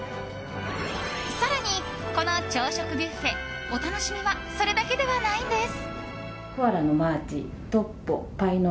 更に、この朝食ビュッフェお楽しみはそれだけではないんです。